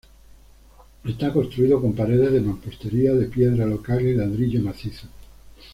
Está construido con paredes de mampostería de piedra local y ladrillo macizo.